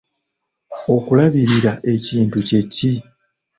Okulabirira ekintu kye ki?